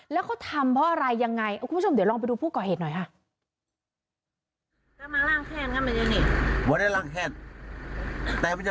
แล้วเขาทำเพราะอะไรยังไงคุณผู้ชมเดี๋ยวลองไปดูผู้ก่อเหตุหน่อยค่ะ